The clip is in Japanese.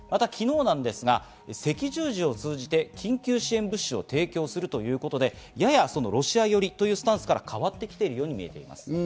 昨日ですが、赤十字を通じて緊急支援物資を提供するということで、ややロシア寄りというスタンスから変わってきているように見えています。